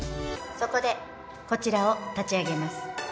そこでこちらを立ち上げます